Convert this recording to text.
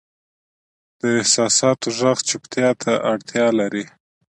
د احساساتو ږغ چوپتیا ته اړتیا لري.